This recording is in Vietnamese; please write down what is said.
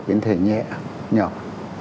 biến thể nhẹ nhọc